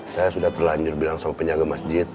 saya sudah terlanjur bilang sama penyaga masjid